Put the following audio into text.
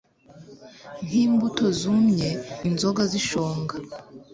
nkimbuto zumye inzoga zishonga